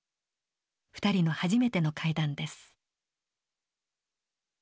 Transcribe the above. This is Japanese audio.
２人の初めての会談です。